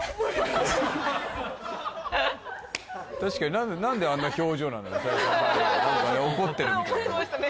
確かに何であんな表情なの何かね怒ってるみたいな怒ってましたね